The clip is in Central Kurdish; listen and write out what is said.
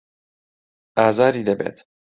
ئازاری دەبێت.